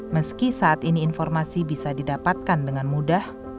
meski saat ini informasi bisa didapatkan dengan mudah